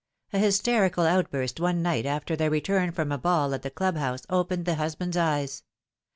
A hysterical outburst one night after their return from a ball at the Club house opened the husband's eyes.